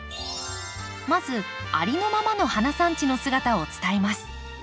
まずありのままの花産地の姿を伝えます。